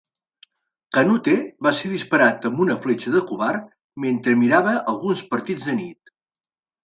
Canute va ser disparat amb una fletxa de covard mentre mirava alguns partits de nit.